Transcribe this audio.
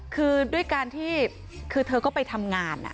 คือด้วยการที่คือเธอก็ไปทำงาน